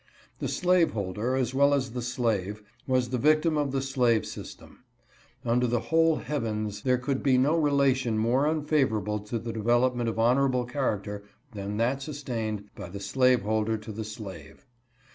The slaveholder, as well as the slave, was the victim of the slave system. Under the whole heavens there could be no relation more unfa vorable to the development of honorable character than (50) a slaveholder's character. 51 that sustained by the slaveholder to the slave.